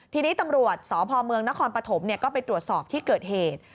ทีนี้ตำรวจสพเมืองนครปฐมก็ไปตรวจสอบที่เกิดเหตุ